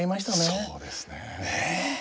そうなんですね。